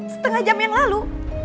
setengah jam yang lalu